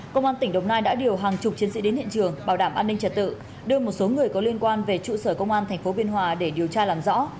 công an tỉnh đồng nai đã điều hàng chục chiến sĩ đến hiện trường bảo đảm an ninh trật tự đưa một số người có liên quan về trụ sở công an tp biên hòa để điều tra làm rõ